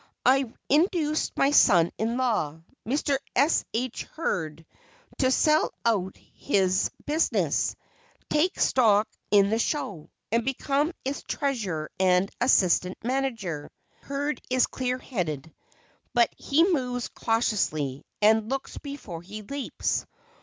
I induced my son in law, Mr. S. H. Hurd, to sell out his business, take stock in the show, and become its treasurer and assistant manager. Hurd is clear headed, but he moves cautiously, and "looks before he leaps."